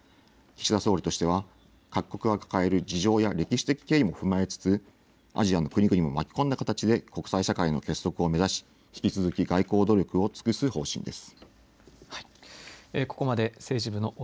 岸田総理としては、各国が抱える事情や歴史的経緯も踏まえつつ、アジアの国々も巻き込んだ形で国際社会の結束を目指し、引き続き外交努力を尽くす方針です。